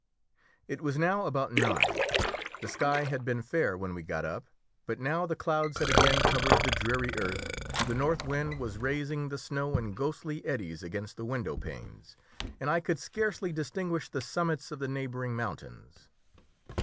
It was now about nine. The sky had been fair when we got up, but now the clouds had again covered the dreary earth, the north wind was raising the snow in ghostly eddies against the window panes, and I could scarcely distinguish the summits of the neighbouring mountains.